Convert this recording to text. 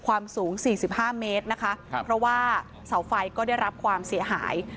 ความสูง๔๕เมตรนะคะครับเพราะว่าเสาไฟก็ได้รับความเสียหาย